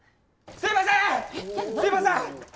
すいません